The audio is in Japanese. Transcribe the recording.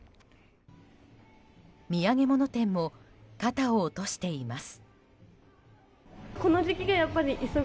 土産物店も肩を落としています。